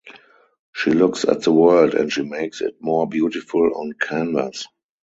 She looks at the world and she makes it more beautiful on canvas.